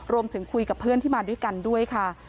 รวมถึงคุยกับเพื่อนที่มาด้วยกันด้วยค่ะ